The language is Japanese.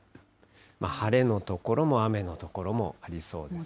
晴れの所も雨の所もありそうです